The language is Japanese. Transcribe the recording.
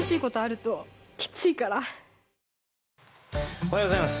おはようございます。